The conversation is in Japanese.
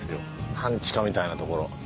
半地下みたいなところ。